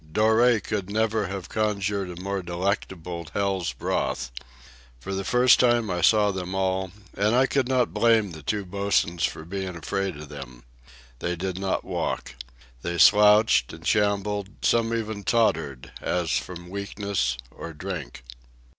Doré could never have conjured a more delectable hell's broth. For the first time I saw them all, and I could not blame the two bosuns for being afraid of them. They did not walk. They slouched and shambled, some even tottered, as from weakness or drink.